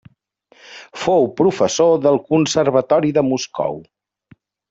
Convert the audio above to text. Fou professor del Conservatori de Moscou.